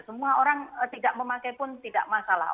semua orang tidak memakai pun tidak masalah